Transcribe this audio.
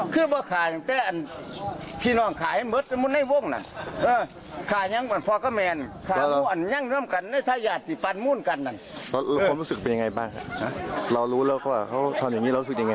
เป็นยังไงบ้างเรารู้แล้วว่าเขาทำอย่างนี้เรารู้สึกยังไง